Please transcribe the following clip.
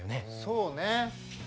そうね。